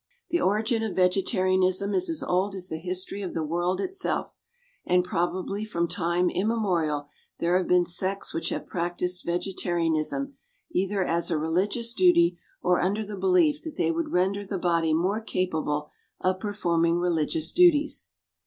The origin of vegetarianism is as old as the history of the world itself, and probably from time immemorial there have been sects which have practised vegetarianism, either as a religious duty, or under the belief that they would render the body more capable of performing religious duties.